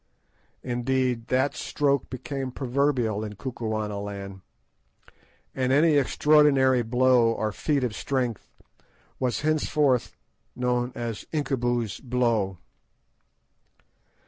Indeed, that stroke became proverbial in Kukuanaland, and any extraordinary blow or feat of strength was henceforth known as "Incubu's blow."